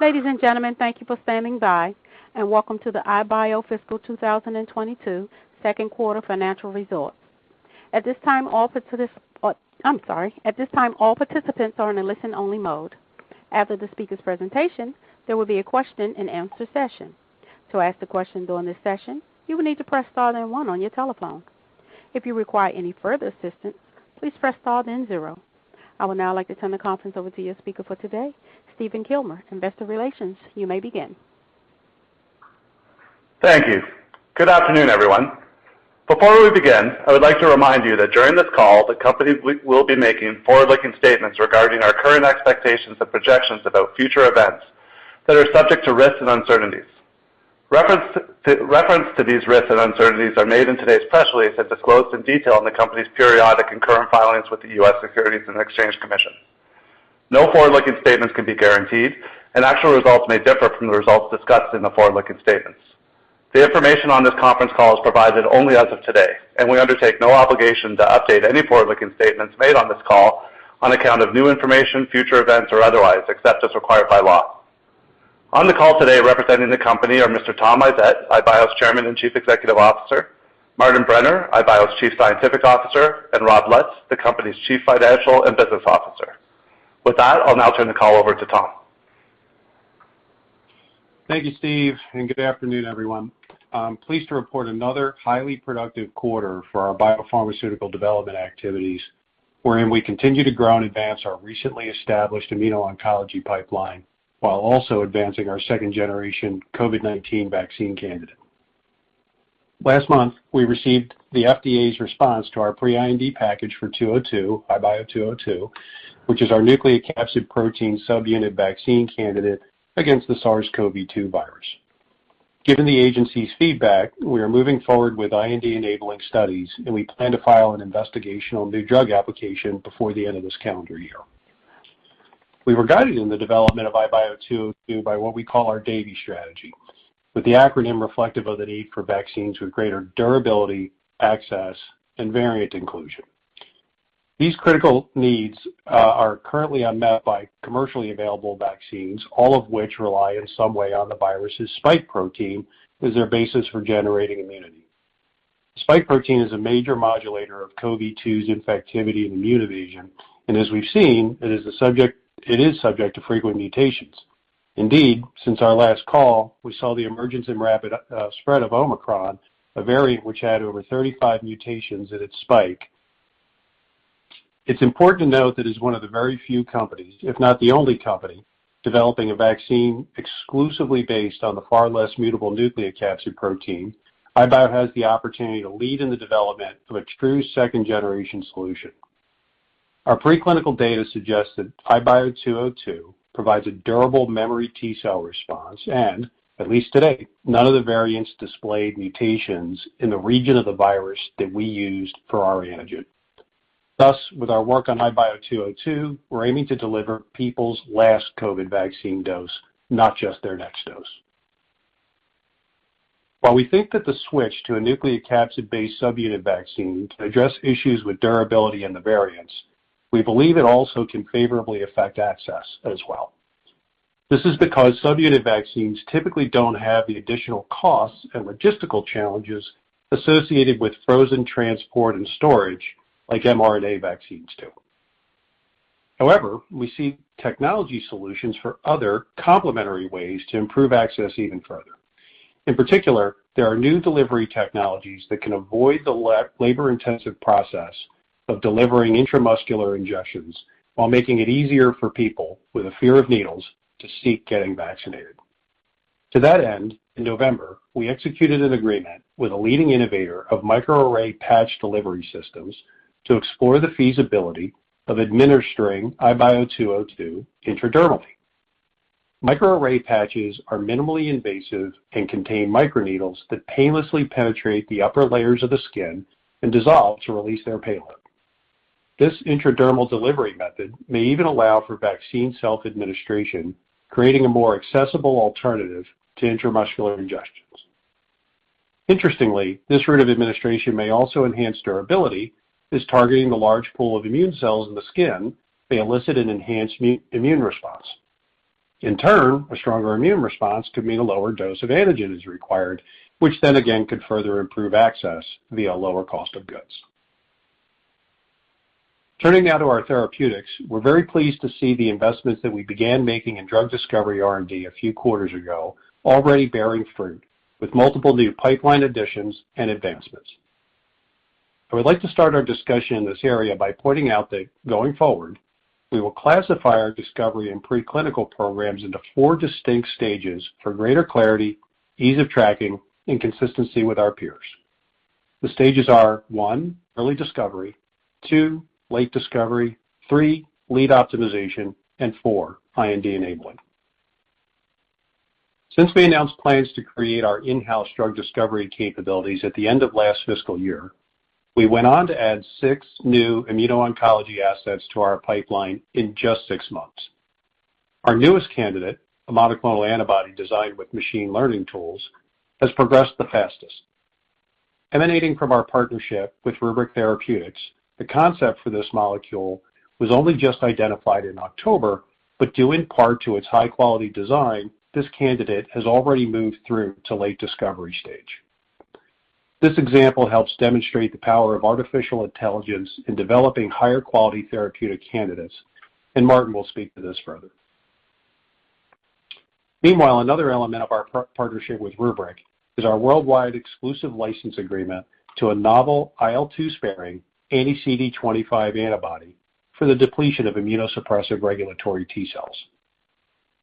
Ladies and gentlemen, thank you for standing by, and welcome to the iBio fiscal 2022 second quarter financial results. At this time, all participants are in a listen-only mode. After the speaker's presentation, there will be a question-and-answer session. To ask the question during this session, you will need to press star then one on your telephone. If you require any further assistance, please press star then zero. I would now like to turn the conference over to your speaker for today, Stephen Kilmer, investor relations. You may begin. Thank you. Good afternoon, everyone. Before we begin, I would like to remind you that during this call, the company we'll be making forward-looking statements regarding our current expectations and projections about future events that are subject to risks and uncertainties. Reference to these risks and uncertainties are made in today's press release and disclosed in detail in the company's periodic and current filings with the U.S. Securities and Exchange Commission. No forward-looking statements can be guaranteed, and actual results may differ from the results discussed in the forward-looking statements. The information on this conference call is provided only as of today, and we undertake no obligation to update any forward-looking statements made on this call on account of new information, future events, or otherwise, except as required by law. On the call today representing the company are Mr. Tom Isett, iBio's Chairman and Chief Executive Officer, Martin Brenner, iBio's Chief Scientific Officer, and Rob Lutz, the company's Chief Financial and Business Officer. With that, I'll now turn the call over to Tom. Thank you, Steve, and good afternoon, everyone. I'm pleased to report another highly productive quarter for our biopharmaceutical development activities, wherein we continue to grow and advance our recently established immuno-oncology pipeline while also advancing our second-generation COVID-19 vaccine candidate. Last month, we received the FDA's response to our pre-IND package for 202, iBio-202, which is our nucleocapsid protein subunit vaccine candidate against the SARS-CoV-2 virus. Given the agency's feedback, we are moving forward with IND-enabling studies, and we plan to file an investigational new drug application before the end of this calendar year. We were guided in the development of iBio-202 by what we call our DAVIE strategy, with the acronym reflective of the need for vaccines with greater durability, access, and variant inclusion. These critical needs are currently unmet by commercially available vaccines, all of which rely in some way on the virus's spike protein as their basis for generating immunity. Spike protein is a major modulator of CoV-2's infectivity and immune evasion, and as we've seen, it is subject to frequent mutations. Indeed, since our last call, we saw the emergence and rapid spread of Omicron, a variant which had over 35 mutations in its spike. It's important to note that as one of the very few companies, if not the only company, developing a vaccine exclusively based on the far less mutable nucleocapsid protein, iBio has the opportunity to lead in the development of a true second-generation solution. Our pre-clinical data suggests that IBIO-202 provides a durable memory T-cell response and, at least to date, none of the variants displayed mutations in the region of the virus that we used for our antigen. Thus, with our work on IBIO-202, we're aiming to deliver people's last COVID vaccine dose, not just their next dose. While we think that the switch to a nucleocapsid-based subunit vaccine to address issues with durability and the variants, we believe it also can favorably affect access as well. This is because subunit vaccines typically don't have the additional costs and logistical challenges associated with frozen transport and storage like mRNA vaccines do. However, we see technology solutions for other complementary ways to improve access even further. In particular, there are new delivery technologies that can avoid the labor-intensive process of delivering intramuscular injections while making it easier for people with a fear of needles to seek getting vaccinated. To that end, in November, we executed an agreement with a leading innovator of microarray patch delivery systems to explore the feasibility of administering IBIO-202 intradermally. Microarray patches are minimally invasive and contain microneedles that painlessly penetrate the upper layers of the skin and dissolve to release their payload. This intradermal delivery method may even allow for vaccine self-administration, creating a more accessible alternative to intramuscular injections. Interestingly, this route of administration may also enhance durability as targeting the large pool of immune cells in the skin may elicit an enhanced immune response. In turn, a stronger immune response could mean a lower dose of antigen is required, which then again could further improve access via lower cost of goods. Turning now to our therapeutics, we're very pleased to see the investments that we began making in drug discovery R&D a few quarters ago already bearing fruit with multiple new pipeline additions and advancements. I would like to start our discussion in this area by pointing out that going forward, we will classify our discovery and pre-clinical programs into four distinct stages for greater clarity, ease of tracking, and consistency with our peers. The stages are, one, early discovery, two, late discovery, three, lead optimization, and four, IND-enabling. Since we announced plans to create our in-house drug discovery capabilities at the end of last fiscal year, we went on to add six new immuno-oncology assets to our pipeline in just six months. Our newest candidate, a monoclonal antibody designed with machine learning tools, has progressed the fastest. Emanating from our partnership with RubrYc Therapeutics, the concept for this molecule was only just identified in October, but due in part to its high-quality design, this candidate has already moved through to late discovery stage. This example helps demonstrate the power of artificial intelligence in developing higher quality therapeutic candidates, and Martin will speak to this further. Meanwhile, another element of our partnership with RubrYc is our worldwide exclusive license agreement to a novel IL-2-sparing anti-CD25 antibody for the depletion of immunosuppressive regulatory T cells.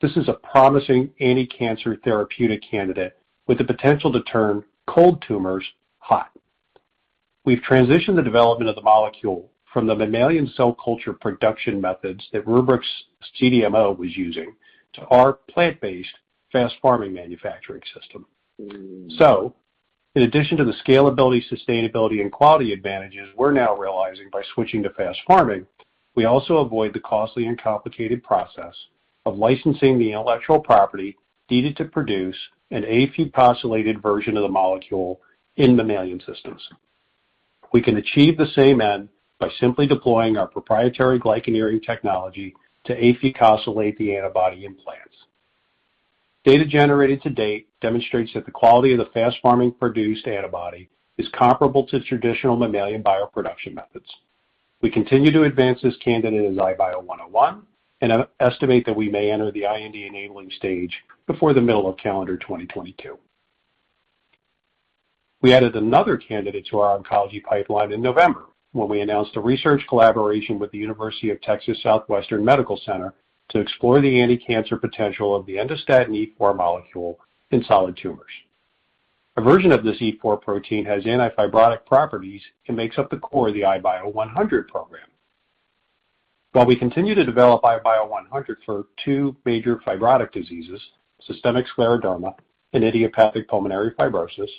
This is a promising anticancer therapeutic candidate with the potential to turn cold tumors hot. We've transitioned the development of the molecule from the mammalian cell culture production methods that RubrYc's CDMO was using to our plant-based FastPharming manufacturing system. In addition to the scalability, sustainability, and quality advantages we're now realizing by switching to FastPharming, we also avoid the costly and complicated process of licensing the intellectual property needed to produce an afucosylated version of the molecule in mammalian systems. We can achieve the same end by simply deploying our proprietary glycan engineering technology to afucosylate the antibody in plants. Data generated to date demonstrates that the quality of the FastPharming-produced antibody is comparable to traditional mammalian bioproduction methods. We continue to advance this candidate as IBIO-101 and estimate that we may enter the IND-enabling stage before the middle of calendar 2022. We added another candidate to our oncology pipeline in November when we announced a research collaboration with the University of Texas Southwestern Medical Center to explore the anticancer potential of the endostatin E4 molecule in solid tumors. A version of this endostatin E4 protein has anti-fibrotic properties and makes up the core of the IBIO-100 program. While we continue to develop IBIO-100 for two major fibrotic diseases, systemic scleroderma and idiopathic pulmonary fibrosis,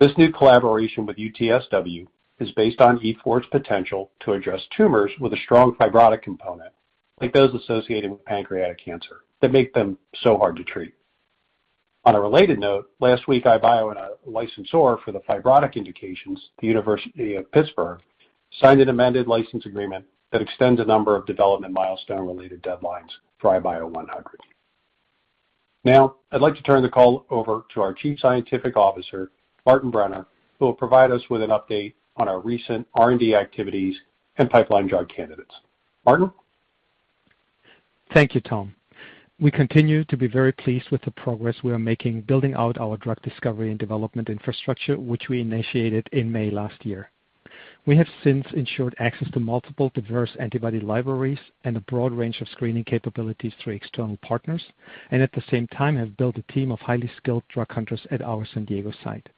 this new collaboration with UT Southwestern is based on E4's potential to address tumors with a strong fibrotic component, like those associated with pancreatic cancer, that make them so hard to treat. On a related note, last week, iBio and a licensor for the fibrotic indications, the University of Pittsburgh, signed an amended license agreement that extends a number of development milestone-related deadlines for IBIO-100. Now I'd like to turn the call over to our Chief Scientific Officer, Martin Brenner, who will provide us with an update on our recent R&D activities and pipeline drug candidates. Martin? Thank you, Tom. We continue to be very pleased with the progress we are making building out our drug discovery and development infrastructure, which we initiated in May last year. We have since ensured access to multiple diverse antibody libraries and a broad range of screening capabilities through external partners, and at the same time have built a team of highly skilled drug hunters at our San Diego site.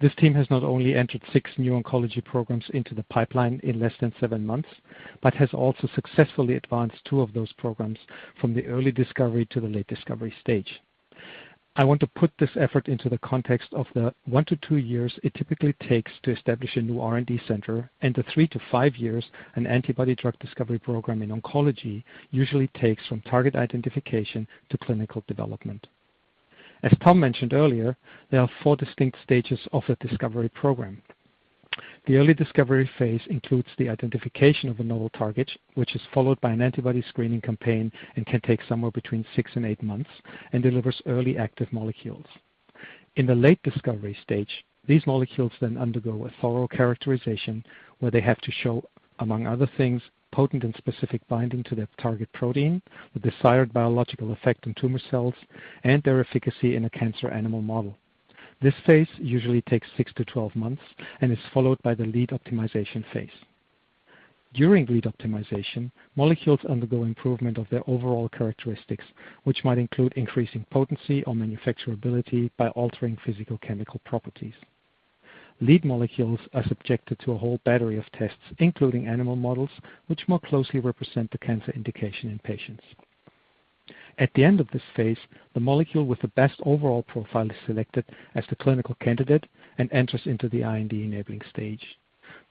This team has not only entered six new oncology programs into the pipeline in less than seven months, but has also successfully advanced two of those programs from the early discovery to the late discovery stage. I want to put this effort into the context of the one-two years it typically takes to establish a new R&D center and the three-five years an antibody drug discovery program in oncology usually takes from target identification to clinical development. As Tom mentioned earlier, there are four distinct stages of the discovery program. The early discovery phase includes the identification of a novel target, which is followed by an antibody screening campaign and can take somewhere between six and eight months and delivers early active molecules. In the late discovery stage, these molecules then undergo a thorough characterization where they have to show, among other things, potent and specific binding to their target protein, the desired biological effect on tumor cells, and their efficacy in a cancer animal model. This phase usually takes six-12 months and is followed by the lead optimization phase. During lead optimization, molecules undergo improvement of their overall characteristics, which might include increasing potency or manufacturability by altering physicochemical properties. Lead molecules are subjected to a whole battery of tests, including animal models, which more closely represent the cancer indication in patients. At the end of this phase, the molecule with the best overall profile is selected as the clinical candidate and enters into the IND-enabling stage.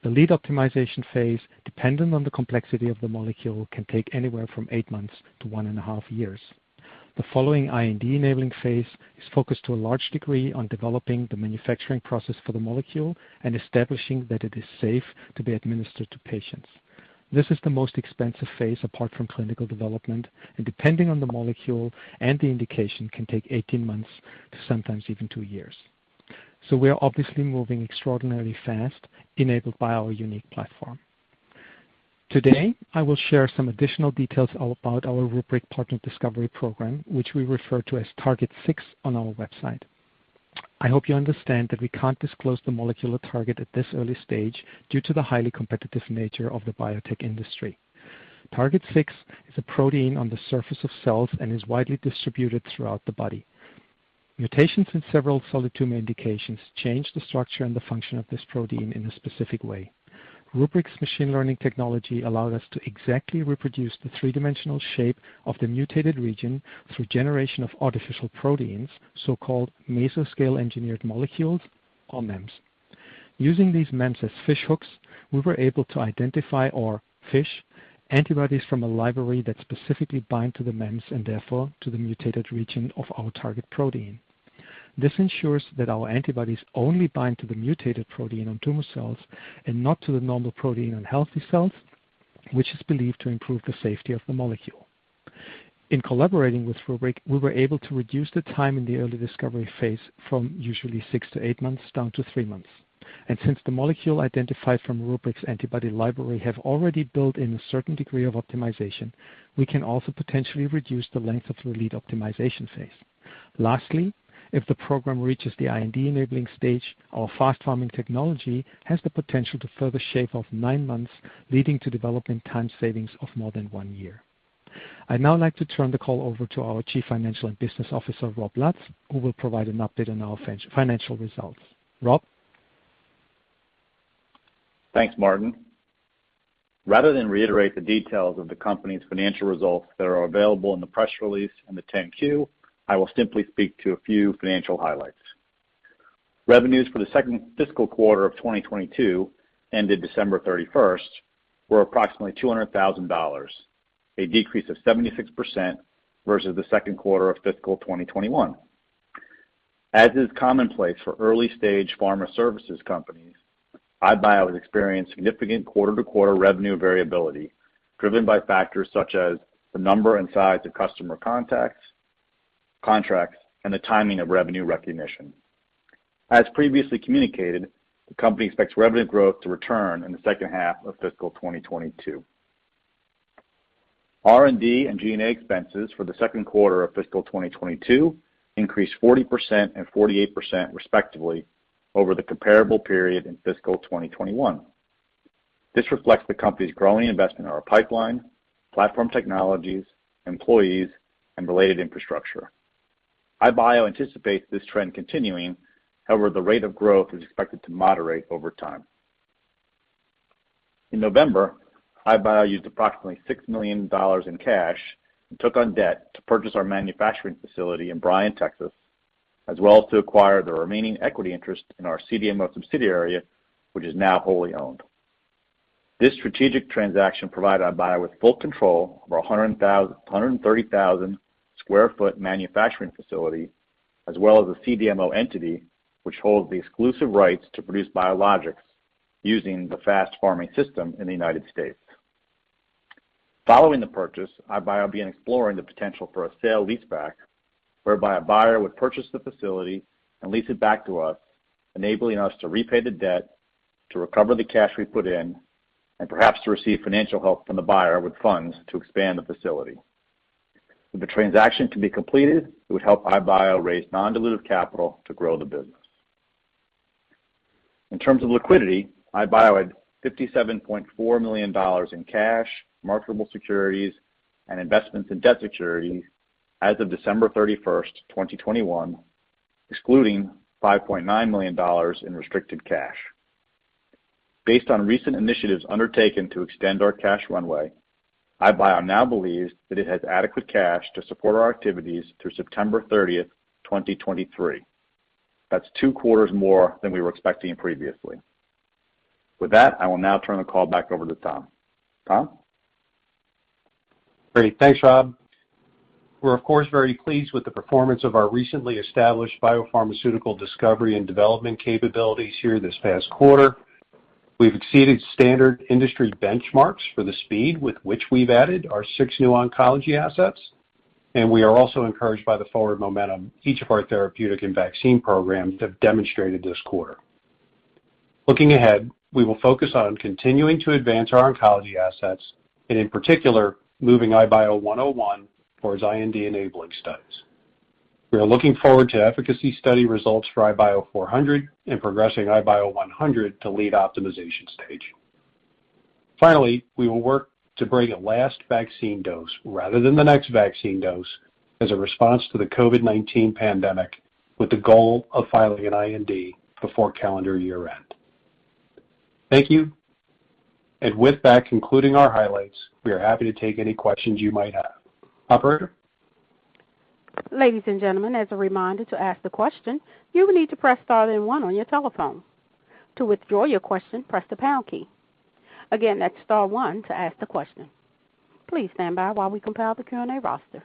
The lead optimization phase, dependent on the complexity of the molecule, can take anywhere from eight months to 1.5 years. The following IND-enabling phase is focused to a large degree on developing the manufacturing process for the molecule and establishing that it is safe to be administered to patients. This is the most expensive phase apart from clinical development, and depending on the molecule and the indication, can take 18 months to sometimes even two years. We are obviously moving extraordinarily fast, enabled by our unique platform. Today, I will share some additional details all about our RubrYc partner discovery program, which we refer to as Target 6 on our website. I hope you understand that we can't disclose the molecular target at this early stage due to the highly competitive nature of the biotech industry. Target 6 is a protein on the surface of cells and is widely distributed throughout the body. Mutations in several solid tumor indications change the structure and the function of this protein in a specific way. RubrYc's machine learning technology allowed us to exactly reproduce the three-dimensional shape of the mutated region through generation of artificial proteins, so-called meso-scale engineered molecules or MEMS. Using these MEMS as fishhooks, we were able to identify our PHISH antibodies from a library that specifically bind to the MEMS and therefore to the mutated region of our target protein. This ensures that our antibodies only bind to the mutated protein on tumor cells and not to the normal protein on healthy cells, which is believed to improve the safety of the molecule. In collaborating with RubrYc, we were able to reduce the time in the early discovery phase from usually six-eight months down to three months. Since the molecule identified from RubrYc's antibody library have already built in a certain degree of optimization, we can also potentially reduce the length of the lead optimization phase. Lastly, if the program reaches the IND enabling stage, our FastPharming technology has the potential to further shave off 9 months, leading to development time savings of more than 1 year. I'd now like to turn the call over to our Chief Financial and Business Officer, Rob Lutz, who will provide an update on our financial results. Rob? Thanks, Martin. Rather than reiterate the details of the company's financial results that are available in the press release and the 10-Q, I will simply speak to a few financial highlights. Revenues for the second fiscal quarter of 2022, ended December 31st, were approximately $200,000, a decrease of 76% versus the second quarter of fiscal 2021. As is commonplace for early-stage pharma services companies, iBio has experienced significant quarter-to-quarter revenue variability driven by factors such as the number and size of customer contacts, contracts, and the timing of revenue recognition. As previously communicated, the company expects revenue growth to return in the second half of fiscal 2022. R&D and G&A expenses for the second quarter of fiscal 2022 increased 40% and 48% respectively over the comparable period in fiscal 2021. This reflects the company's growing investment in our pipeline, platform technologies, employees, and related infrastructure. iBio anticipates this trend continuing. However, the rate of growth is expected to moderate over time. In November, iBio used approximately $6 million in cash and took on debt to purchase our manufacturing facility in Bryan, Texas, as well as to acquire the remaining equity interest in our CDMO subsidiary, which is now wholly owned. This strategic transaction provided iBio with full control over a 130,000 sq ft manufacturing facility as well as a CDMO entity, which holds the exclusive rights to produce biologics using the FastPharming system in the United States. Following the purchase, iBio will be exploring the potential for a sale leaseback, whereby a buyer would purchase the facility and lease it back to us, enabling us to repay the debt, to recover the cash we put in, and perhaps to receive financial help from the buyer with funds to expand the facility. For the transaction to be completed, it would help iBio raise non-dilutive capital to grow the business. In terms of liquidity, iBio had $57.4 million in cash, marketable securities, and investments in debt securities as of December 31st, 2021, excluding $5.9 million in restricted cash. Based on recent initiatives undertaken to extend our cash runway, iBio now believes that it has adequate cash to support our activities through September 30th, 2023. That's two quarters more than we were expecting previously. With that, I will now turn the call back over to Tom. Tom? Great. Thanks, Rob. We're of course very pleased with the performance of our recently established biopharmaceutical discovery and development capabilities here this past quarter. We've exceeded standard industry benchmarks for the speed with which we've added our six new oncology assets, and we are also encouraged by the forward momentum each of our therapeutic and vaccine programs have demonstrated this quarter. Looking ahead, we will focus on continuing to advance our oncology assets and in particular, moving IBIO-101 for its IND-enabling studies. We are looking forward to efficacy study results for IBIO-400 and progressing IBIO-100 to lead optimization stage. Finally, we will work to bring a last vaccine dose rather than the next vaccine dose as a response to the COVID-19 pandemic with the goal of filing an IND before calendar year end. Thank you. With that, concluding our highlights, we are happy to take any questions you might have. Operator? Ladies and gentlemen, as a reminder to ask the question, you will need to press star then one on your telephone. To withdraw your question, press the pound key. Again, that's star one to ask the question. Please stand by while we compile the Q&A roster.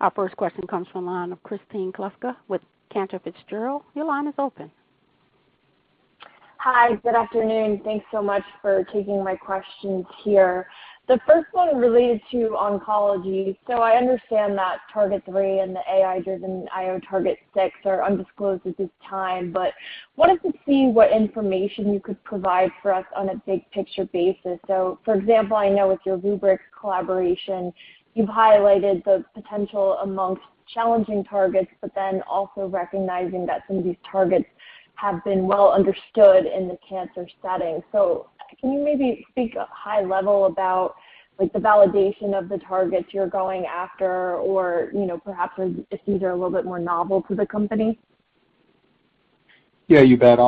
Our first question comes from the line of Kristen Kluska with Cantor Fitzgerald. Your line is open. Hi. Good afternoon. Thanks so much for taking my questions here. The first one relates to oncology. I understand that Target three and the AI-driven IO Target 6 are undisclosed at this time, but wanted to see what information you could provide for us on a big picture basis. For example, I know with your RubrYc collaboration, you've highlighted the potential among challenging targets, but then also recognizing that some of these targets have been well understood in the cancer setting. Can you maybe speak high-level about like the validation of the targets you're going after or, you know, perhaps if these are a little bit more novel to the company? Yeah, you bet.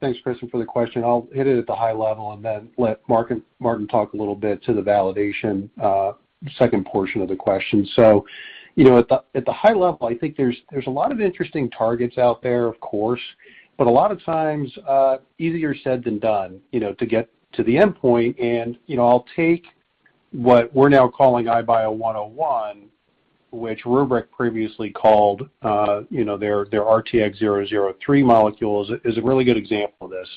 Thanks, Kristen, for the question. I'll hit it at the high level and then let Martin talk a little bit to the validation, second portion of the question. You know, at the high level, I think there's a lot of interesting targets out there, of course, but a lot of times, easier said than done, you know, to get to the endpoint. You know, I'll take what we're now calling IBIO-101, which RubrYc previously called, you know, their RTX-003 molecules is a really good example of this.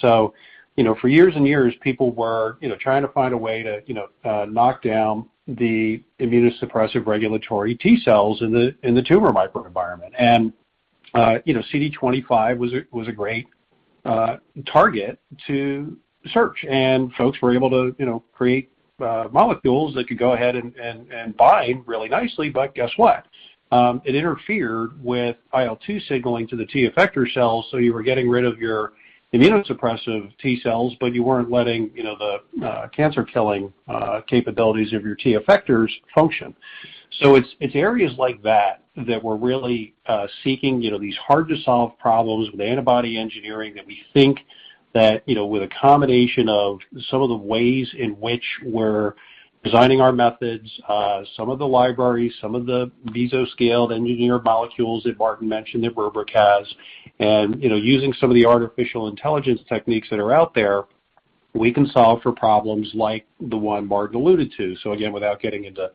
You know, for years and years, people were, you know, trying to find a way to, you know, knock down the immunosuppressive regulatory T cells in the tumor microenvironment. You know, CD25 was a great target to search, and folks were able to, you know, create molecules that could go ahead and bind really nicely. Guess what? It interfered with IL-2 signaling to the T-effector cells, so you were getting rid of your immunosuppressive T cells, but you weren't letting, you know, the cancer-killing capabilities of your T effectors function. It's areas like that that we're really seeking, you know, these hard-to-solve problems with antibody engineering that we think that, you know, with a combination of some of the ways in which we're designing our methods, some of the libraries, some of the Meso-scale Engineered Molecules that Martin mentioned that RubrYc has, and, you know, using some of the artificial intelligence techniques that are out there, we can solve for problems like the one Martin alluded to. Again, without getting into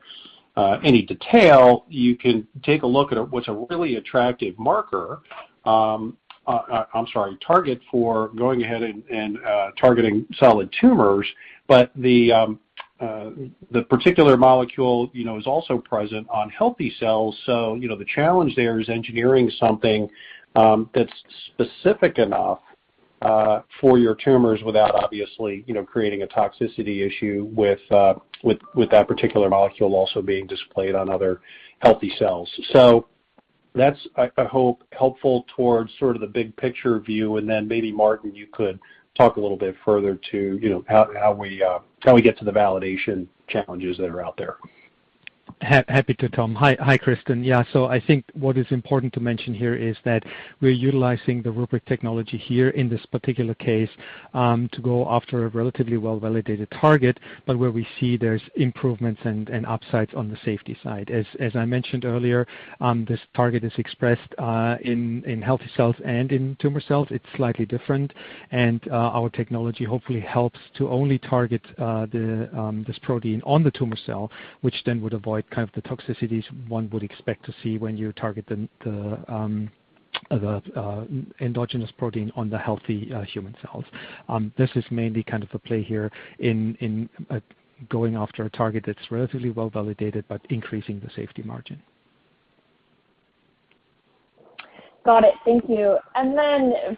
any detail, you can take a look at what's a really attractive marker, I'm sorry, target for going ahead and targeting solid tumors. The particular molecule, you know, is also present on healthy cells, so, you know, the challenge there is engineering something that's specific enough for your tumors without obviously, you know, creating a toxicity issue with that particular molecule also being displayed on other healthy cells. That's, I hope, helpful towards sort of the big picture view, and then maybe Martin, you could talk a little bit further to, you know, how we get to the validation challenges that are out there. Happy to, Tom. Hi, Kristen. Yeah. I think what is important to mention here is that we're utilizing the RubrYc technology here in this particular case to go after a relatively well-validated target, but where we see there's improvements and upsides on the safety side. As I mentioned earlier, this target is expressed in healthy cells and in tumor cells. It's slightly different. Our technology hopefully helps to only target this protein on the tumor cell, which then would avoid kind of the toxicities one would expect to see when you target the endogenous protein on the healthy human cells. This is mainly kind of a play here in going after a target that's relatively well-validated, but increasing the safety margin. Got it. Thank you.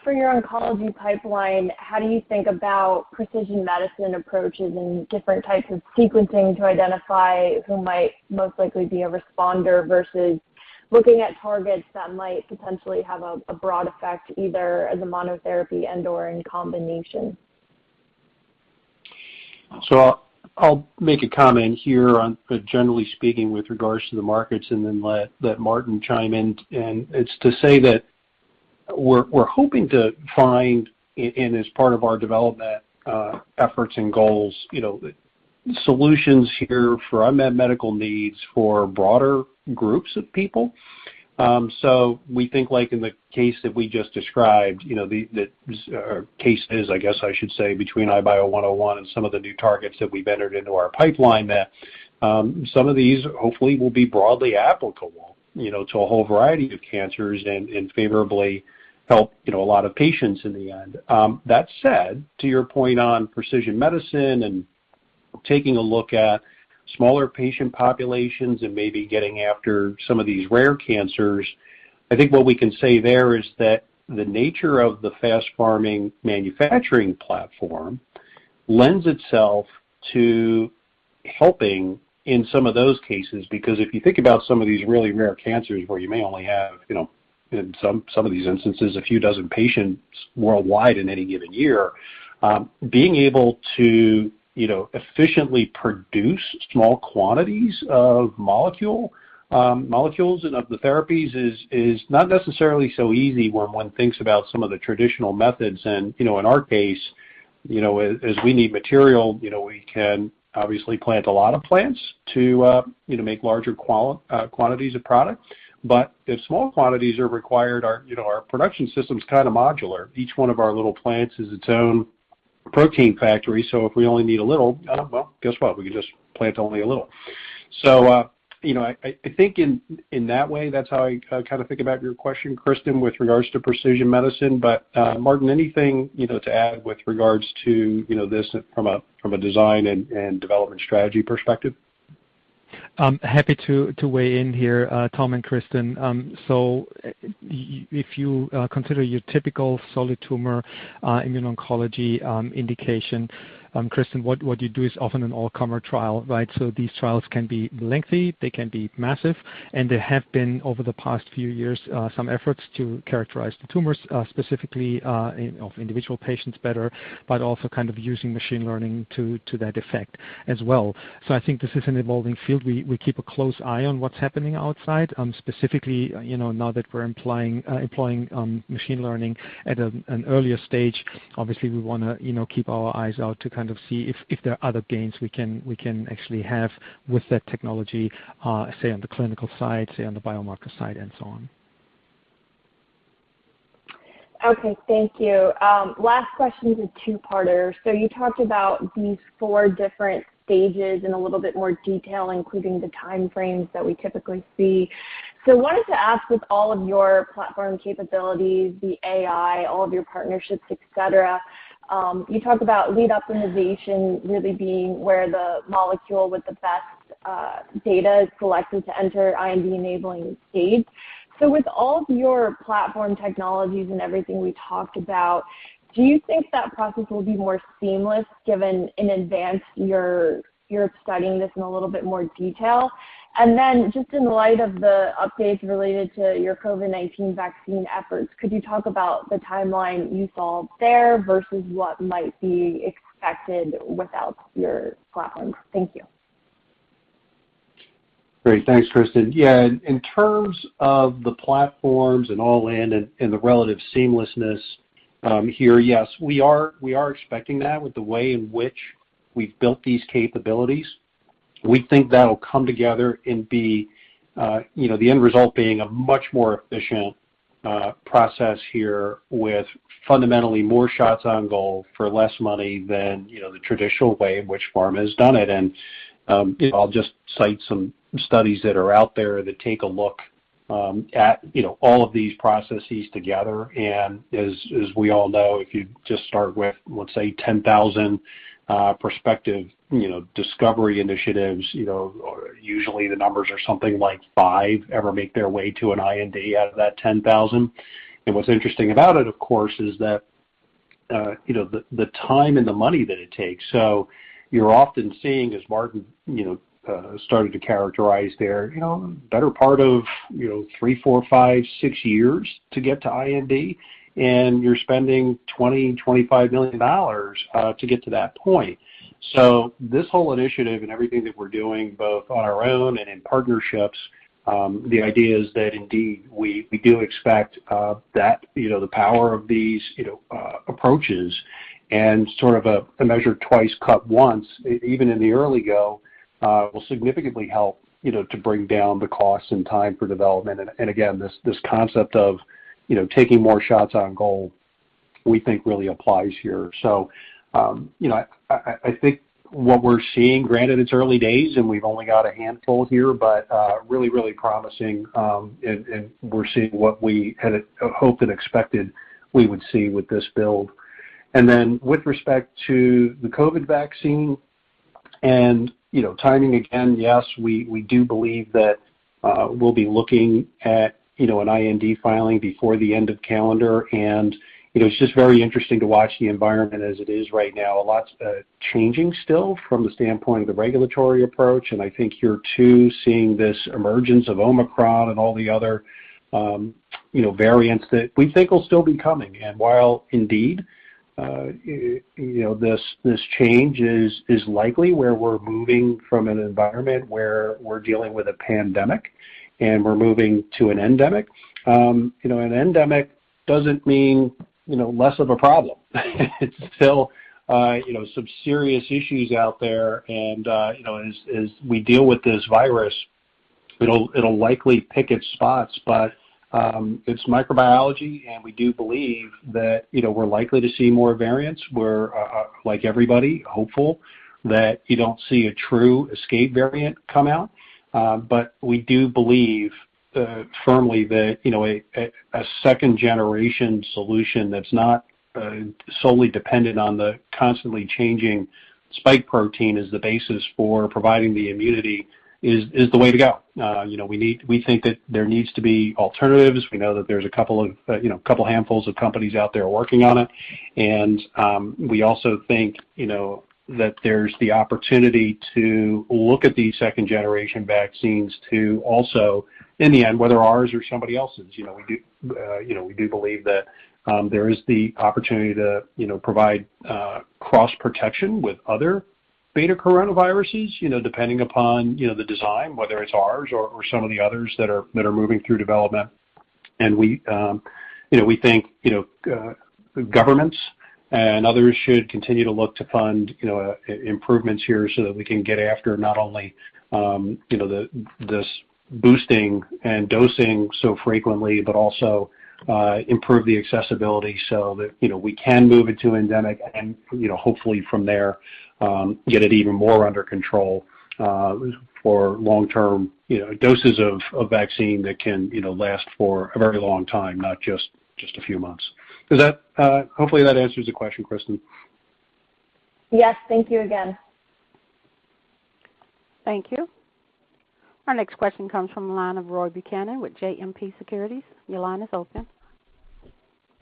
For your oncology pipeline, how do you think about precision medicine approaches and different types of sequencing to identify who might most likely be a responder versus looking at targets that might potentially have a broad effect either as a monotherapy and/or in combination? I'll make a comment here on, generally speaking, with regards to the markets and then let Martin chime in. It's to say that we're hoping to find in as part of our development efforts and goals, you know, solutions here for unmet medical needs for broader groups of people. We think like in the case that we just described, you know, or case studies, I guess I should say, between IBIO-101 and some of the new targets that we've entered into our pipeline, that some of these hopefully will be broadly applicable, you know, to a whole variety of cancers and favorably help, you know, a lot of patients in the end. That said, to your point on precision medicine and taking a look at smaller patient populations and maybe getting after some of these rare cancers, I think what we can say there is that the nature of the FastPharming manufacturing platform lends itself to helping in some of those cases. Because if you think about some of these really rare cancers where you may only have, you know, in some of these instances, a few dozen patients worldwide in any given year, being able to, you know, efficiently produce small quantities of molecules and of the therapies is not necessarily so easy when one thinks about some of the traditional methods. You know, in our case, you know, as we need material, you know, we can obviously plant a lot of plants to, you know, make larger quantities of product. But if small quantities are required, our, you know, our production system's kinda modular. Each one of our little plants is its own protein factory, so if we only need a little, well, guess what? We can just plant only a little. You know, I think in that way, that's how I kinda think about your question, Kristen, with regards to precision medicine. Martin, anything, you know, to add with regards to, you know, this from a design and development strategy perspective? I'm happy to weigh in here, Tom and Kristen. If you consider your typical solid tumor, immuno-oncology indication, Kristen, what you do is often an all-comer trial, right? These trials can be lengthy, they can be massive, and there have been, over the past few years, some efforts to characterize the tumors, specifically in individual patients better, but also kind of using machine learning to that effect as well. I think this is an evolving field. We keep a close eye on what's happening outside, specifically, you know, now that we're employing machine learning at an earlier stage. Obviously, we wanna, you know, keep our eyes out to kind of see if there are other gains we can actually have with that technology, say on the clinical side, say on the biomarker side and so on. Okay. Thank you. Last question is a two-parter. You talked about these four different stages in a little bit more detail, including the time frames that we typically see. Wanted to ask, with all of your platform capabilities, the AI, all of your partnerships, et cetera, you talk about lead optimization really being where the molecule with the best data is selected to enter IND-enabling stage. With all of your platform technologies and everything we talked about, do you think that process will be more seamless given in advance you're studying this in a little bit more detail? And then just in light of the updates related to your COVID-19 vaccine efforts, could you talk about the timeline you saw there versus what might be expected without your platforms? Thank you. Great. Thanks, Kristen. Yeah. In terms of the platforms and all in and the relative seamlessness, here, yes, we are expecting that with the way in which we've built these capabilities. We think that'll come together and be, you know, the end result being a much more efficient process here with fundamentally more shots on goal for less money than, you know, the traditional way in which pharma has done it. I'll just cite some studies that are out there that take a look at, you know, all of these processes together. As we all know, if you just start with, let's say 10,000 prospective, you know, discovery initiatives, you know, usually the numbers are something like five ever make their way to an IND out of that 10,000. What's interesting about it, of course, is that, you know, the time and the money that it takes. You're often seeing, as Martin, you know, started to characterize there, you know, better part of three, four, five, six years to get to IND, and you're spending $20 million-$25 million to get to that point. This whole initiative and everything that we're doing both on our own and in partnerships, the idea is that indeed we do expect that, you know, the power of these, you know, approaches and sort of a measure twice cut once, even in the early go, will significantly help, you know, to bring down the cost and time for development. And again, this concept of taking more shots on goal, we think really applies here. I think what we're seeing, granted it's early days and we've only got a handful here, but really, really promising. We're seeing what we had hoped and expected we would see with this build. With respect to the COVID vaccine and, you know, timing, again, yes, we do believe that we'll be looking at, you know, an IND filing before the end of calendar. You know, it's just very interesting to watch the environment as it is right now. A lot's changing still from the standpoint of the regulatory approach, and I think here too, seeing this emergence of Omicron and all the other, you know, variants that we think will still be coming. While indeed, you know, this change is likely where we're moving from an environment where we're dealing with a pandemic and we're moving to an endemic, you know, an endemic doesn't mean, you know, less of a problem. It's still, you know, some serious issues out there. You know, as we deal with this virus, it'll likely pick its spots. It's microbiology, and we do believe that, you know, we're likely to see more variants. We're, like everybody, hopeful that you don't see a true escape variant come out. We do believe firmly that, you know, a second-generation solution that's not solely dependent on the constantly changing spike protein as the basis for providing the immunity is the way to go. You know, we need. We think that there needs to be alternatives. We know that there's a couple handfuls of companies out there working on it. You know, we also think that there's the opportunity to look at these second-generation vaccines to also, in the end, whether ours or somebody else's, you know, we believe that there is the opportunity to provide cross-protection with other beta coronaviruses, you know, depending upon the design, whether it's ours or some of the others that are moving through development. We think, you know, governments and others should continue to look to fund, you know, iBio improvements here so that we can get after not only, you know, this boosting and dosing so frequently, but also improve the accessibility so that, you know, we can move into endemic and, you know, hopefully from there, get it even more under control, for long-term, you know, doses of vaccine that can, you know, last for a very long time, not just a few months. Does that hopefully answer the question, Kristen. Yes. Thank you again. Thank you. Our next question comes from the line of Roy Buchanan with JMP Securities. Your line is open.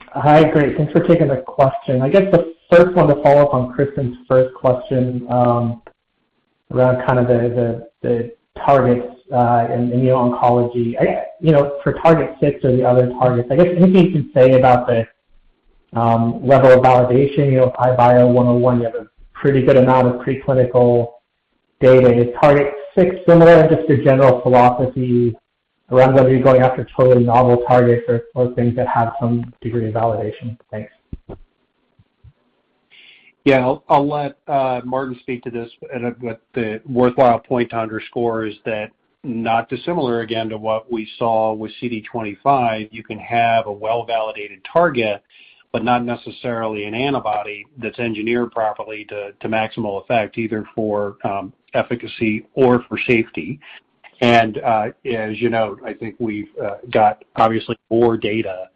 Hi. Great. Thanks for taking the question. I guess the first one to follow up on Kristen's first question, around the targets in immuno-oncology. You know, for Target 6 or the other targets, I guess anything you can say about the level of validation, you know, IBIO-101, you have a pretty good amount of preclinical data. Is Target 6 similar? Just your general philosophy around whether you're going after totally novel targets or things that have some degree of validation. Thanks. Yeah, I'll let Martin speak to this. The worthwhile point to underscore is that not dissimilar, again, to what we saw with CD25, you can have a well-validated target, but not necessarily an antibody that's engineered properly to maximal effect, either for efficacy or for safety. As you know, I think we've got obviously more data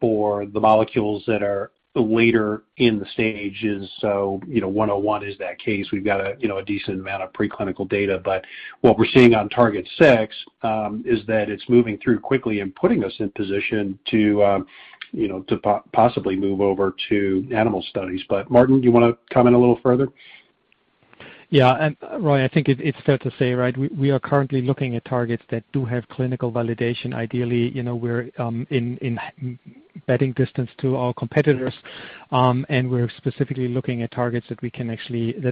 for the molecules that are later in the stages. You know, 101 is that case. We've got a you know, a decent amount of preclinical data. What we're seeing on Target 6 is that it's moving through quickly and putting us in position to you know, to possibly move over to animal studies. Martin, do you wanna comment a little further? Yeah. Roy, I think it's fair to say, right, we are currently looking at targets that do have clinical validation. Ideally, you know, we're in batting distance to our competitors, and we're specifically looking at targets that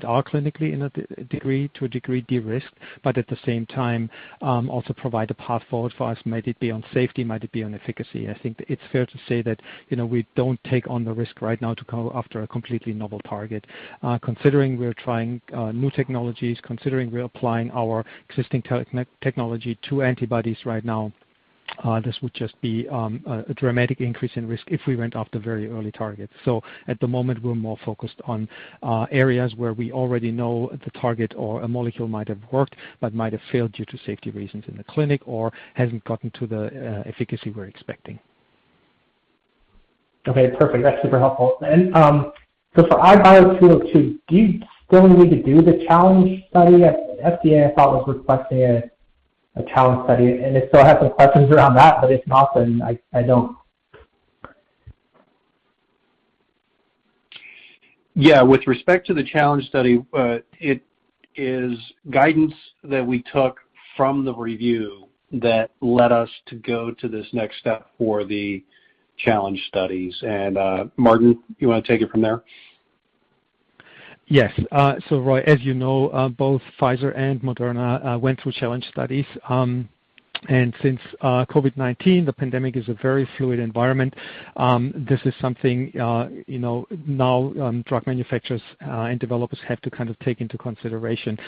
are clinically to a degree de-risked, but at the same time, also provide a path forward for us, might it be on safety, might it be on efficacy. I think it's fair to say that, you know, we don't take on the risk right now to go after a completely novel target. Considering we're trying new technologies, considering we're applying our existing technology to antibodies right now, this would just be a dramatic increase in risk if we went after very early targets. At the moment, we're more focused on areas where we already know the target or a molecule might have worked but might have failed due to safety reasons in the clinic or hasn't gotten to the efficacy we're expecting. Okay, perfect. That's super helpful. For IBIO-202, do you still need to do the challenge study? FDA, I thought, was requesting a challenge study, and I still have some questions around that, but if not, then I don't. Yeah. With respect to the challenge study, it is guidance that we took from the review that led us to go to this next step for the challenge studies. Martin, you wanna take it from there? Yes. Roy, as you know, both Pfizer and Moderna went through challenge studies. Since COVID-19, the pandemic is a very fluid environment, this is something, you know, now, drug manufacturers and developers have to kind of take into consideration.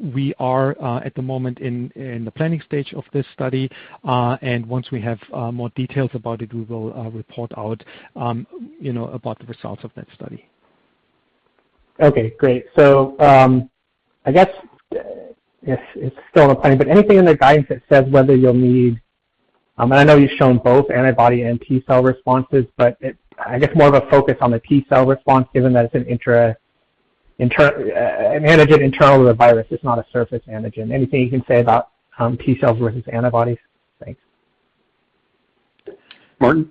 We are at the moment in the planning stage of this study, and once we have more details about it, we will report out, you know, about the results of that study. Okay, great. I guess if it's still in planning, but anything in the guidance that says whether you'll need... I know you've shown both antibody and T-cell responses, but it's I guess more of a focus on the T-cell response given that it's an antigen internal to the virus. It's not a surface antigen. Anything you can say about T-cells versus antibodies? Thanks. Martin?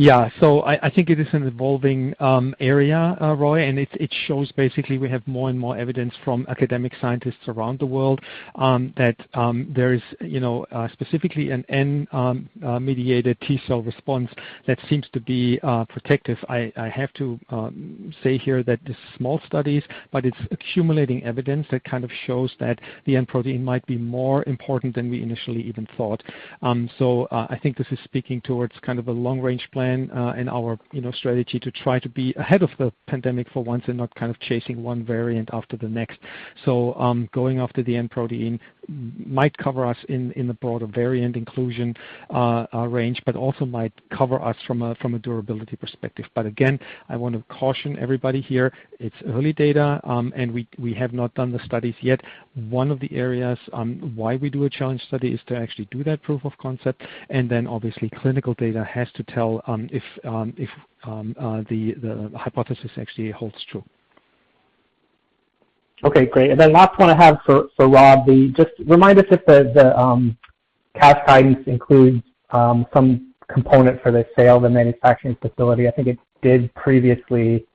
Yeah. I think it is an evolving area, Roy, and it shows basically we have more and more evidence from academic scientists around the world that there is, you know, specifically an N mediated T-cell response that seems to be protective. I have to say here that this is small studies, but it's accumulating evidence that kind of shows that the N protein might be more important than we initially even thought. I think this is speaking towards kind of a long-range plan in our, you know, strategy to try to be ahead of the pandemic for once and not kind of chasing one variant after the next. Going after the N protein might cover us in the broader variant inclusion range, but also might cover us from a durability perspective. Again, I wanna caution everybody here, it's early data, and we have not done the studies yet. One of the areas why we do a challenge study is to actually do that proof of concept, and then obviously clinical data has to tell if the hypothesis actually holds true. Okay, great. Last one I have for Rob, just remind us if the cash guidance includes some component for the sale of the manufacturing facility. I think it did previously.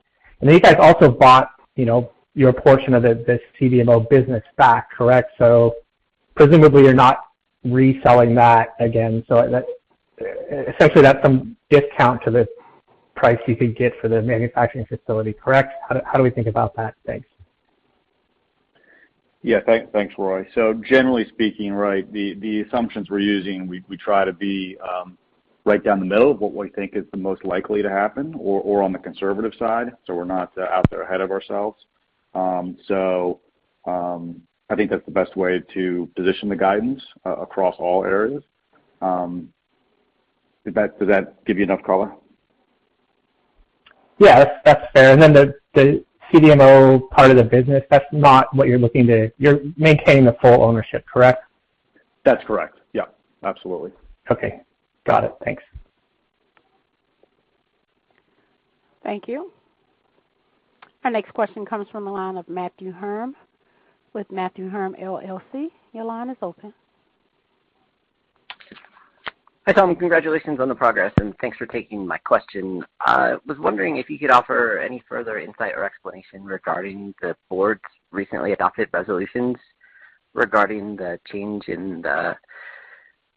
I know you guys also bought, you know, your portion of this CDMO business back, correct? So presumably you're not reselling that again. So that, essentially that's some discount to the price you could get for the manufacturing facility, correct? How do we think about that? Thanks. Yeah. Thanks, Roy. Generally speaking, right, the assumptions we're using, we try to be right down the middle of what we think is the most likely to happen or on the conservative side, so we're not out there ahead of ourselves. I think that's the best way to position the guidance across all areas. Does that give you enough color? Yeah, that's fair. The CDMO part of the business, that's not what you're looking to. You're maintaining the full ownership, correct? That's correct. Yeah, absolutely. Okay. Got it. Thanks. Thank you. Our next question comes from the line of Matthew Herm with Matthew Herm LLC. Your line is open. Hi, Tom Isett. Congratulations on the progress, and thanks for taking my question. I was wondering if you could offer any further insight or explanation regarding the board's recently adopted resolutions regarding the change in the,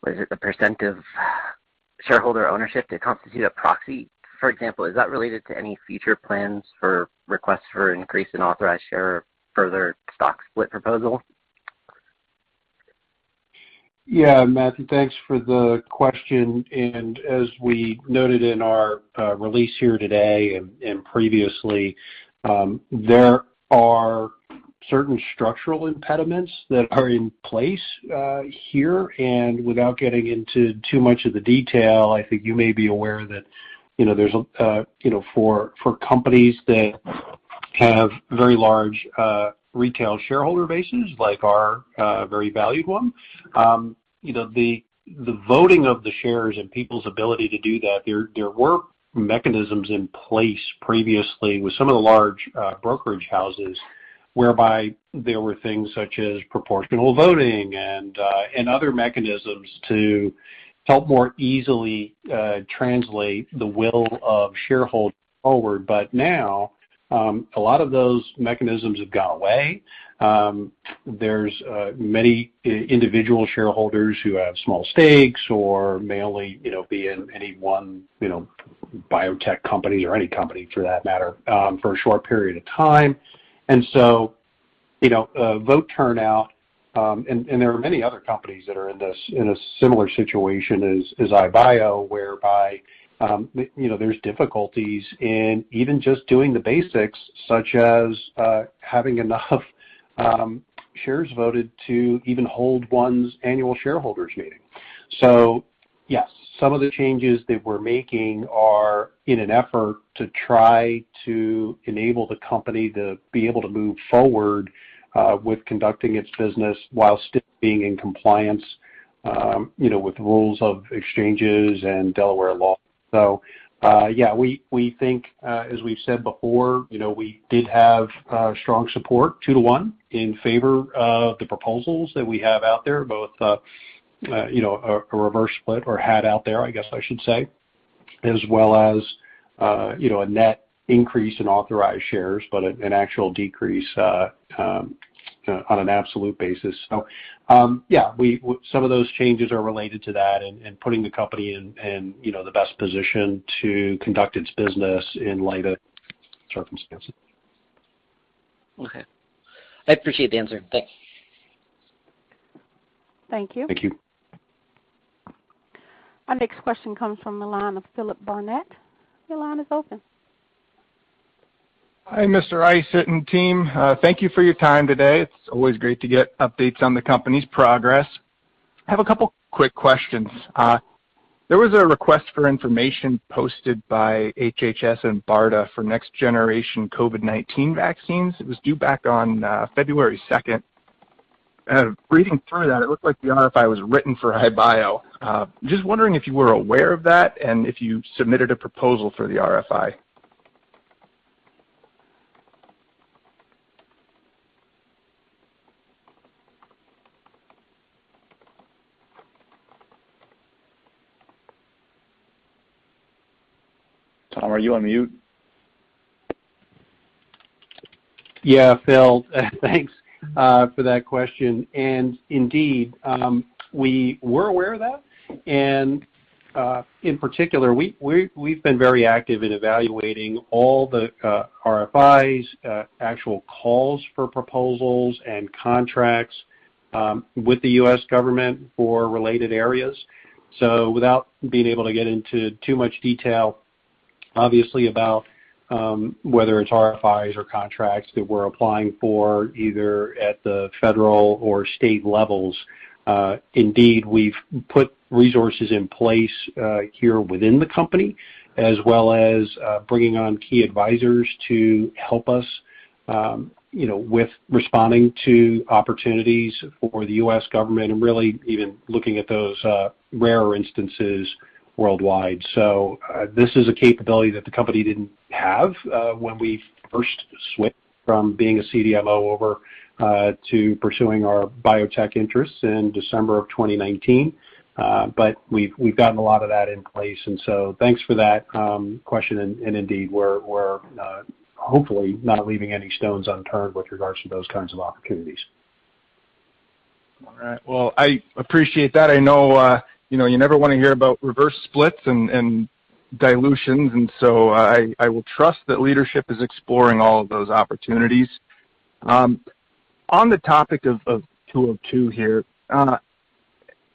was it the percent of shareholder ownership that constitute a proxy? For example, is that related to any future plans for requests for increase in authorized share or further stock split proposal? Yeah, Matthew, thanks for the question. As we noted in our release here today and previously, there are certain structural impediments that are in place here. Without getting into too much of the detail, I think you may be aware that you know there's you know for companies that have very large retail shareholder bases like our very valued one you know the voting of the shares and people's ability to do that there were mechanisms in place previously with some of the large brokerage houses whereby there were things such as proportional voting and other mechanisms to help more easily translate the will of shareholders forward. Now a lot of those mechanisms have gone away. There's many individual shareholders who have small stakes or may only, you know, be in anyone, you know, biotech company or any company for that matter, for a short period of time. You know, voter turnout, and there are many other companies that are in this in a similar situation as iBio, whereby, you know, there's difficulties in even just doing the basics, such as, having enough shares voted to even hold one's annual shareholders meeting. Yes, some of the changes that we're making are in an effort to try to enable the company to be able to move forward with conducting its business while still being in compliance, you know, with rules of exchanges and Delaware law. Yeah, we think, as we've said before, you know, we did have strong support, 2-to-1, in favor of the proposals that we have out there, both, you know, a reverse split we had out there, I guess I should say, as well as, you know, a net increase in authorized shares, but an actual decrease on an absolute basis. Some of those changes are related to that and putting the company in, you know, the best position to conduct its business in light of circumstances. Okay. I appreciate the answer. Thanks. Thank you. Thank you. Our next question comes from the line of Philip Barnett. Your line is open. Hi, Mr. Isett and team. Thank you for your time today. It's always great to get updates on the company's progress. I have a couple quick questions. There was a request for information posted by HHS and BARDA for next generation COVID-19 vaccines. It was due back on February 2nd. Reading through that, it looked like the RFI was written for iBio. Just wondering if you were aware of that and if you submitted a proposal for the RFI. Tom, are you on mute? Yeah, Phil, thanks for that question. Indeed, we were aware of that. In particular, we've been very active in evaluating all the RFIs, actual calls for proposals and contracts, with the U.S. government for related areas. Without being able to get into too much detail, obviously, about whether it's RFIs or contracts that we're applying for either at the federal or state levels, indeed, we've put resources in place here within the company, as well as bringing on key advisors to help us, you know, with responding to opportunities for the U.S. government and really even looking at those rarer instances worldwide. This is a capability that the company didn't have when we first switched from being a CDMO over to pursuing our biotech interests in December of 2019. We've gotten a lot of that in place. Thanks for that question. Indeed, we're hopefully not leaving any stones unturned with regards to those kinds of opportunities. All right. Well, I appreciate that. I know you know, you never wanna hear about reverse splits and dilutions, and so I will trust that leadership is exploring all of those opportunities. On the topic of 202 here,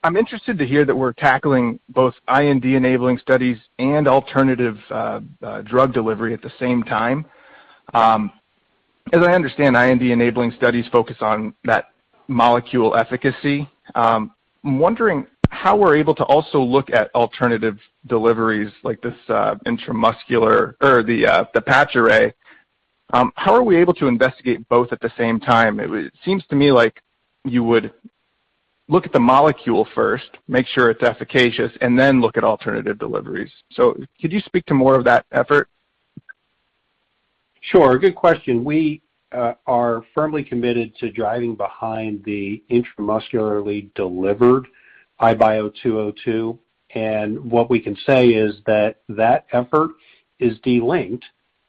I'm interested to hear that we're tackling both IND-enabling studies and alternative drug delivery at the same time. As I understand, IND-enabling studies focus on that molecule efficacy. I'm wondering how we're able to also look at alternative deliveries like intramuscular or the microarray patch. How are we able to investigate both at the same time? It seems to me like you would look at the molecule first, make sure it's efficacious, and then look at alternative deliveries. Could you speak to more of that effort? Sure. Good question. We are firmly committed to driving behind the intramuscularly delivered IBIO-202, and what we can say is that effort is delinked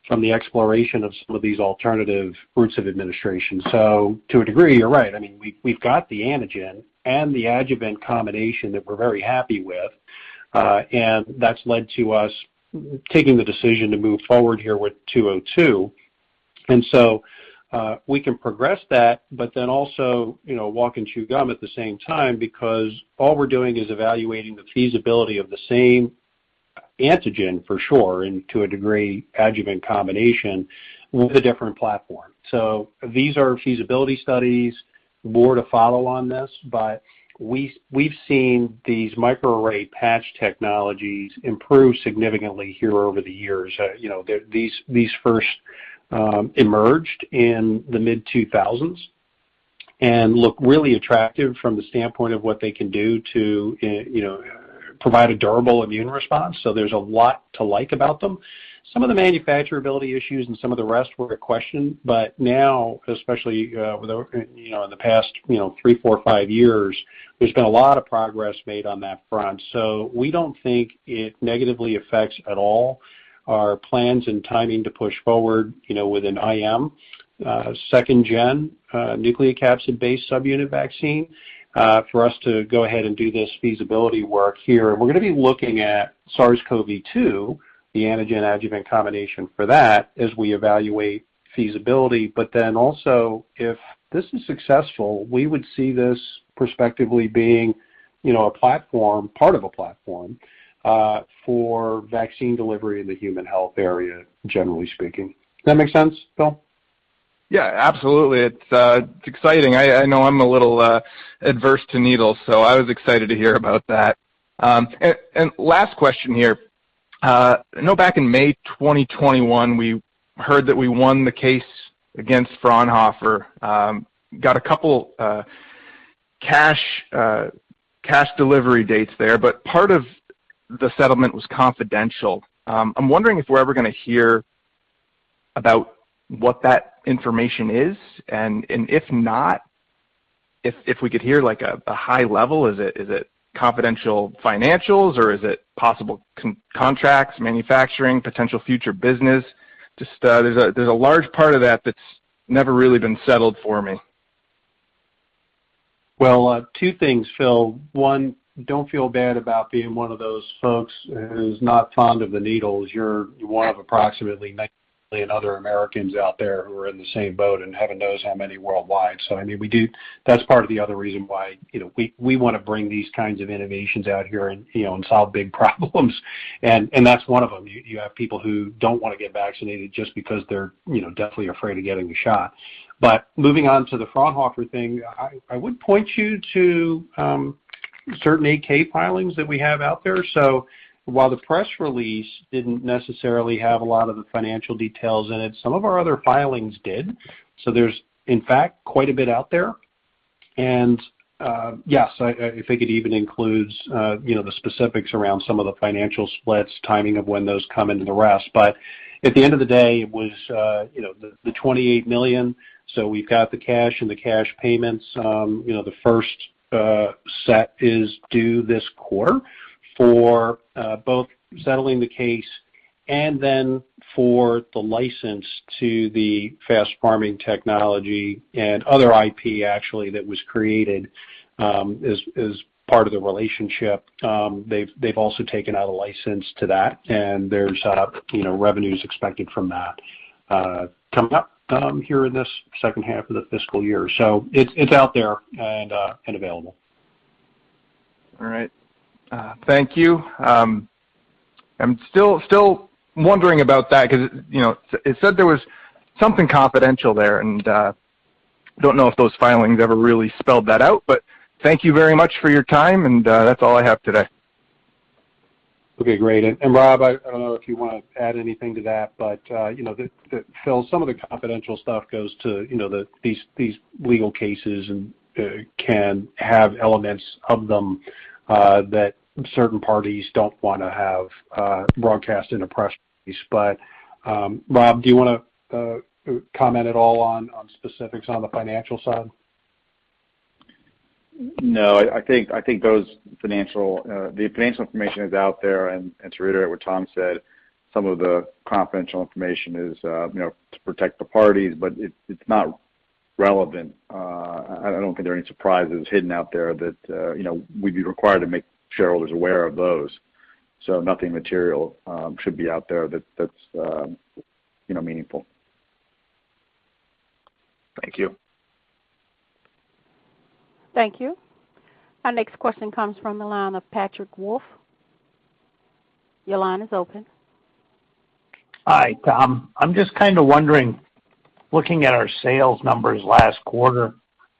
from the exploration of some of these alternative routes of administration. To a degree, you're right. I mean, we've got the antigen and the adjuvant combination that we're very happy with, and that's led to us taking the decision to move forward here with IBIO-202. We can progress that, but then also, you know, walk and chew gum at the same time because all we're doing is evaluating the feasibility of the same antigen for sure, and to a degree, adjuvant combination with a different platform. These are feasibility studies. More to follow on this, but we've seen these microarray patch technologies improve significantly here over the years. You know, these first emerged in the mid-2000s and look really attractive from the standpoint of what they can do to, you know, provide a durable immune response. There's a lot to like about them. Some of the manufacturability issues and some of the rest were a question. Now, especially, you know, in the past three, four, five years, there's been a lot of progress made on that front. We don't think it negatively affects at all our plans and timing to push forward, you know, with an IM second gen nucleocapsid-based subunit vaccine for us to go ahead and do this feasibility work here. We're going to be looking at SARS-CoV-2, the antigen adjuvant combination for that as we evaluate feasibility. Also, if this is successful, we would see this prospectively being, you know, a platform, part of a platform, for vaccine delivery in the human health area, generally speaking. Does that make sense, Phil? Yeah, absolutely. It's exciting. I know I'm a little averse to needles, so I was excited to hear about that. Last question here. I know back in May 2021, we heard that we won the case against Fraunhofer. Got a couple cash delivery dates there, but part of the settlement was confidential. I'm wondering if we're ever going to hear about what that information is, and if not, if we could hear like a high level. Is it confidential financials or is it possible contracts, manufacturing, potential future business? Just, there's a large part of that that's never really been settled for me. Well, two things, Phil. One, don't feel bad about being one of those folks who's not fond of the needles. You're one of approximately 90 million other Americans out there who are in the same boat and heaven knows how many worldwide. I mean, that's part of the other reason why, you know, we want to bring these kinds of innovations out here and, you know, solve big problems and that's one of them. You have people who don't want to get vaccinated just because they're, you know, deathly afraid of getting a shot. Moving on to the Fraunhofer thing, I would point you to certain 8-K filings that we have out there. While the press release didn't necessarily have a lot of the financial details in it, some of our other filings did. There's, in fact, quite a bit out there. Yes, I think it even includes you know, the specifics around some of the financial splits, timing of when those come into the rest. At the end of the day, it was you know, the $28 million. We've got the cash and the cash payments. You know, the first set is due this quarter for both settling the case and then for the license to the FastPharming technology and other IP actually that was created as part of the relationship. They've also taken out a license to that, and there's you know, revenue expected from that coming up here in this second half of the fiscal year. It's out there and available. All right. Thank you. I'm still wondering about that because, you know, it said there was something confidential there, and I don't know if those filings ever really spelled that out. Thank you very much for your time, and that's all I have today. Okay, great. Rob, I don't know if you want to add anything to that, but you know, Philip, some of the confidential stuff goes to, you know, these legal cases and can have elements of them that certain parties don't want to have broadcast in the press release. Rob, do you wanna comment at all on specifics on the financial side? No. I think the financial information is out there. To reiterate what Tom said, some of the confidential information is to protect the parties, but it's not relevant. I don't think there are any surprises hidden out there that we'd be required to make shareholders aware of those. Nothing material should be out there that is meaningful. Thank you. Thank you. Our next question comes from the line of Patrick Wolf. Your line is open. Hi, Tom. I'm just kind of wondering, looking at our sales numbers last quarter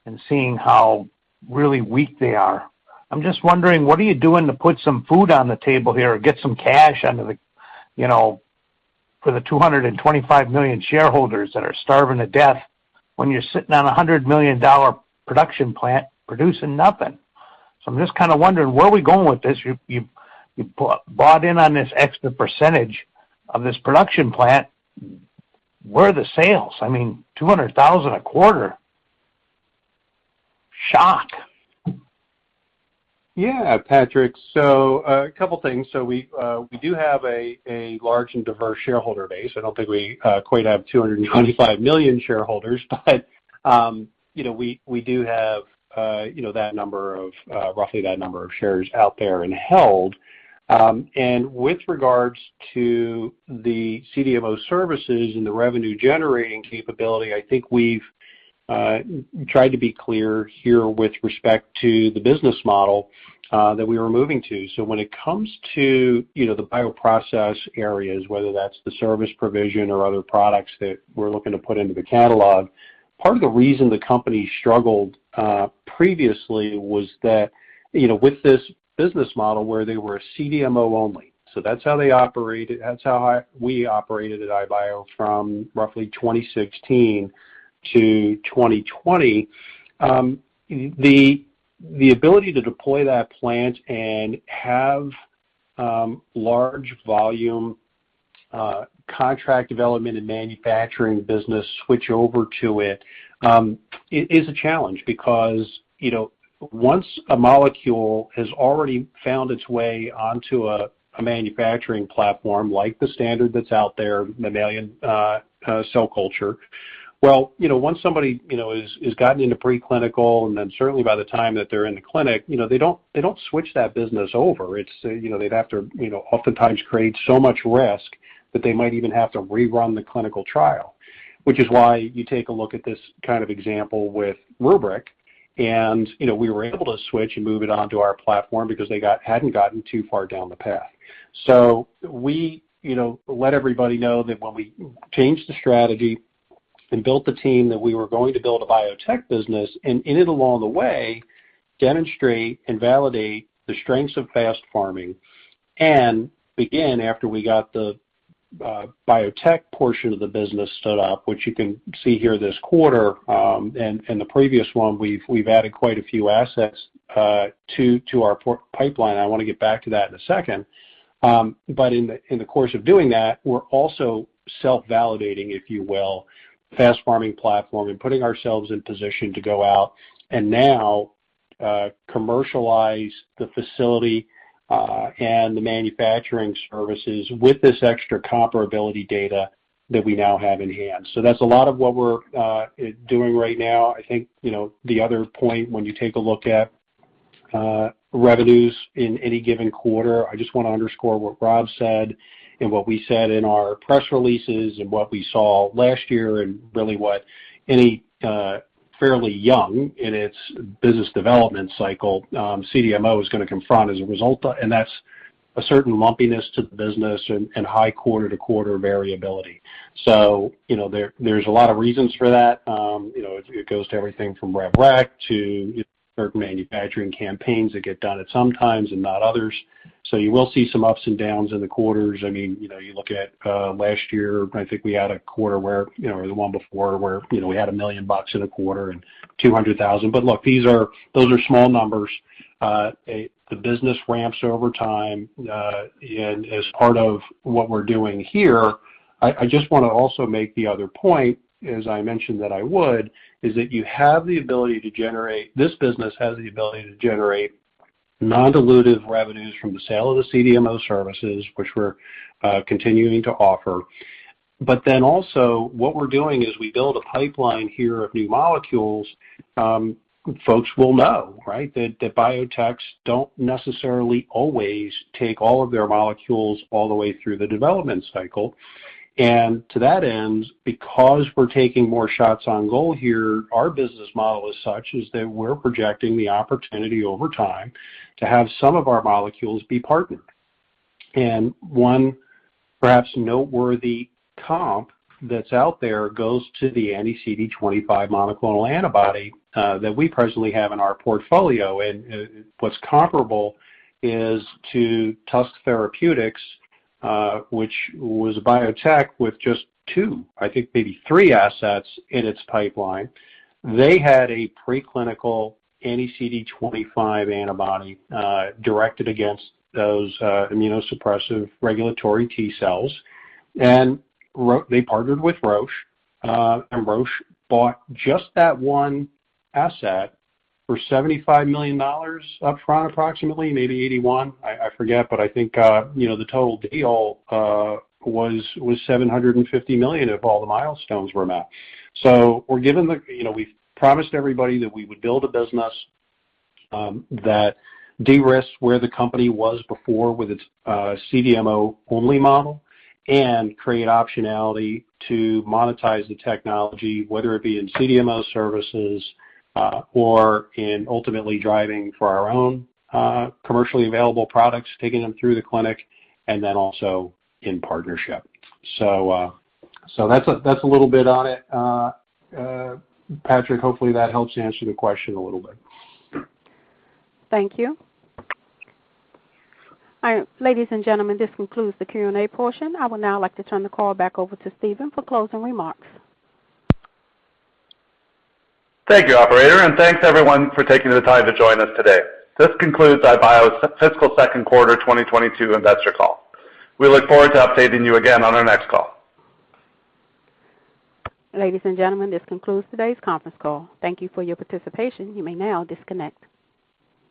and seeing how really weak they are. I'm just wondering, what are you doing to put some food on the table here or get some cash under the, you know, for the 225 million shareholders that are starving to death when you're sitting on a $100 million production plant producing nothing? I'm just kind of wondering, where are we going with this? You bought in on this extra percentage of this production plant. Where are the sales? I mean, $200,000 a quarter. Shock. Yeah, Patrick. A couple things. We do have a large and diverse shareholder base. I don't think we quite have 225 million shareholders, but you know, we do have you know, that number of roughly that number of shares out there and held. With regards to the CDMO services and the revenue generating capability, I think we've tried to be clear here with respect to the business model that we were moving to. When it comes to, you know, the bioprocess areas, whether that's the service provision or other products that we're looking to put into the catalog, part of the reason the company struggled previously was that, you know, with this business model where they were CDMO only, that's how they operated, that's how we operated at iBio from roughly 2016 to 2020. The ability to deploy that plant and have large volume contract development and manufacturing business switch over to it is a challenge because, you know, once a molecule has already found its way onto a manufacturing platform like the standard that's out there, mammalian cell culture, well, you know, once somebody has gotten into preclinical, and then certainly by the time that they're in the clinic, you know, they don't switch that business over. It's, you know, they'd have to oftentimes create so much risk that they might even have to rerun the clinical trial. Which is why you take a look at this kind of example with RubrYc and, you know, we were able to switch and move it on to our platform because they hadn't gotten too far down the path. We, you know, let everybody know that when we changed the strategy and built the team, that we were going to build a biotech business and in it along the way, demonstrate and validate the strengths of FastPharming and begin after we got the biotech portion of the business stood up, which you can see here this quarter, and the previous one, we've added quite a few assets to our pipeline. I wanna get back to that in a second. In the course of doing that, we're also self-validating, if you will, FastPharming platform and putting ourselves in position to go out and commercialize the facility and the manufacturing services with this extra comparability data that we now have in hand. That's a lot of what we're doing right now. I think, you know, the other point when you take a look at revenues in any given quarter, I just wanna underscore what Rob said and what we said in our press releases and what we saw last year and really what any fairly young in its business development cycle CDMO is gonna confront as a result, and that's a certain lumpiness to the business and high quarter-to-quarter variability. You know, there's a lot of reasons for that. You know, it goes to everything from RevRec to certain manufacturing campaigns that get done at some times and not others. You will see some ups and downs in the quarters. I mean, you know, you look at last year. I think we had a quarter where, you know, or the one before where, you know, we had $1 million in a quarter and $200,000. Look, these are those small numbers. The business ramps over time, and as part of what we're doing here, I just wanna also make the other point, as I mentioned that I would, is that this business has the ability to generate non-dilutive revenues from the sale of the CDMO services, which we're continuing to offer. Also, what we're doing is we build a pipeline here of new molecules. Folks will know, right, that biotechs don't necessarily always take all of their molecules all the way through the development cycle. To that end, because we're taking more shots on goal here, our business model as such is that we're projecting the opportunity over time to have some of our molecules be partnered. One perhaps noteworthy comp that's out there goes to the anti-CD25 monoclonal antibody that we personally have in our portfolio. What's comparable is to Tusk Therapeutics, which was a biotech with just two, I think maybe three assets in its pipeline. They had a preclinical anti-CD25 antibody directed against those immunosuppressive regulatory T cells. They partnered with Roche, and Roche bought just that one asset for $75 million up front, approximately maybe 81. I forget, but I think, you know, the total deal was $750 million if all the milestones were met. We're giving the, you know, we've promised everybody that we would build a business that de-risks where the company was before with its CDMO only model and create optionality to monetize the technology, whether it be in CDMO services or in ultimately driving for our own commercially available products, taking them through the clinic and then also in partnership. That's a little bit on it. Patrick, hopefully that helps answer the question a little bit. Thank you. All right. Ladies and gentlemen, this concludes the Q&A portion. I would now like to turn the call back over to Stephen for closing remarks. Thank you, operator, and thanks everyone for taking the time to join us today. This concludes iBio's fiscal second quarter 2022 investor call. We look forward to updating you again on our next call. Ladies and gentlemen, this concludes today's conference call. Thank you for your participation. You may now disconnect.